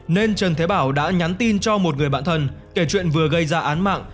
nên trần thế bảo đã nhắn tin cho một người bạn thân kể chuyện vừa gây ra án mạng